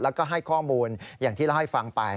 แล้วก็ให้ข้อมูลอย่างที่เล่าให้ฟังไป